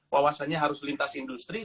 wawasannya harus lintas industri